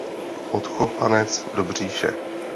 Odchovanec Dobříše.